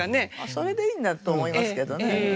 それでいいんだと思いますけどね。